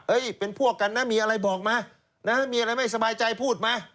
เป็นพวกกันนะมีอะไรบอกมานะมีอะไรไม่สบายใจพูดมา